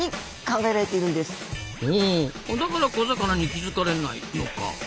だから小魚に気付かれないのか。